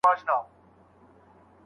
هغه بیې چې پخوا وې اوس بدلې شوې دي.